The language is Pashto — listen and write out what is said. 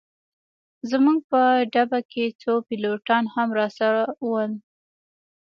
زموږ په ډبه کي څو پیلوټان هم راسره ول.